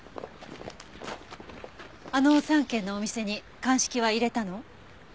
あの３軒のお店に鑑識は入れたの？